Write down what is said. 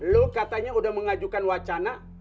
lo katanya udah mengajukan wacana